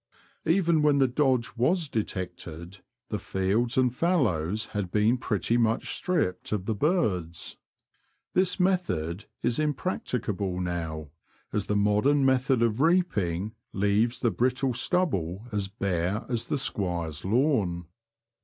Even when the dodge was detected the fields and fallows had been pretty much stripped of the birds. This method is impracticable now, as the modern method of reaping leaves the brittle stubble as bare as the squire's lawn.